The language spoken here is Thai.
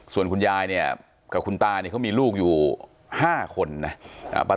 ส่วนคุณยายเนี่ยกับคุณตาเนี่ยเขามีลูกอยู่๕คนนะ